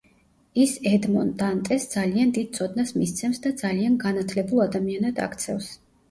ის ედმონ დანტესს ძალიან დიდ ცოდნას მისცემს და ძალიან განათლებულ ადამიანად აქცევს.